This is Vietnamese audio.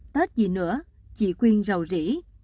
tết gì nữa chị quyên rầu rỉ